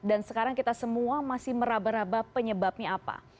dan sekarang kita semua masih merabah rabah penyebabnya apa